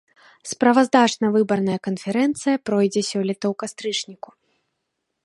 Справаздачна-выбарная канферэнцыя пройдзе сёлета ў кастрычніку.